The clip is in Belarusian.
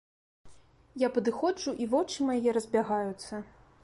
Я падыходжу, і вочы мае разбягаюцца.